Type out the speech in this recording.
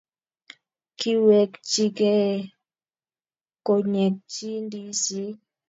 Kiwekchikei konyekchi ndisik